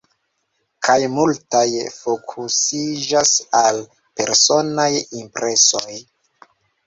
Kaj multaj fokusiĝas al personaj impresoj.